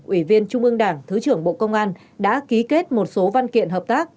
ủy viên trung ương đảng thứ trưởng bộ công an đã ký kết một số văn kiện hợp tác